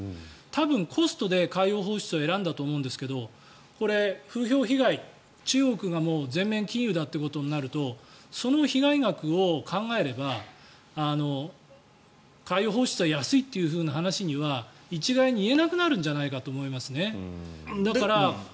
だからコストで海洋放出を選んだと思うんですが風評被害、中国が全面禁輸だってことになるとその被害額を考えれば海洋放出は安いというふうな話には、一概に言えなくなるんじゃないかと思います。